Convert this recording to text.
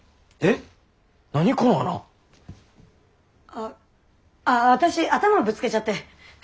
あああ私頭ぶつけちゃって。